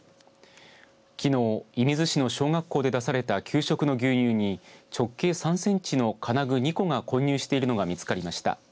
きのう射水市の小学校で出された給食の牛乳に直径３センチの金具２個が混入しているのが見つかりました。